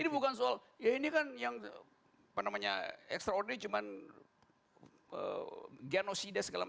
ini bukan soal ya ini kan yang apa namanya extraordinage cuma genosida segala macam